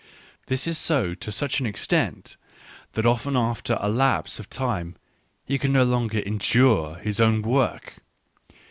This is so to such an extent, that often after a lapse of time he can no longer endure his own work.